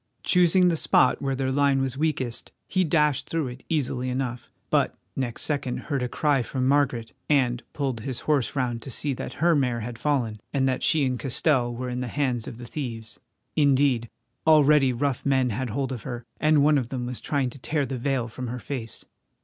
Choosing the spot where their line was weakest he dashed through it easily enough but next second heard a cry from Margaret, and pulled his horse round to see that her mare had fallen, and that she and Castell were in the hands of the thieves. Indeed, already rough men had hold of her, and one of them was trying to tear the veil from her face.